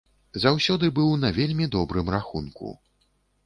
Заўсёды быў на вельмі добрым рахунку.